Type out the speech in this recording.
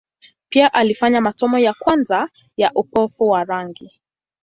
Pia alifanya masomo ya kwanza ya upofu wa rangi.